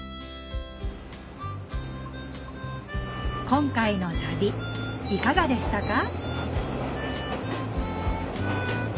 今回の旅いかがでしたか？